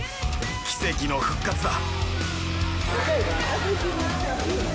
奇跡の復活だ。